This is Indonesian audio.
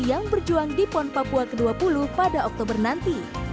yang berjuang di pon papua ke dua puluh pada oktober nanti